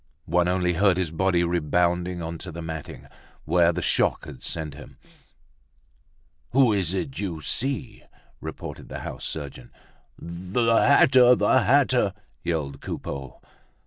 One only heard his body rebounding onto the matting, where the shock had sent him. "Who is it you see?" repeated the house surgeon. "The hatter! The hatter!" yelled Coupeau.